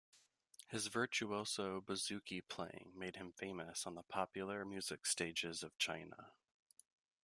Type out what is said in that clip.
His virtuoso bouzouki-playing made him famous on the popular music stages of Chania.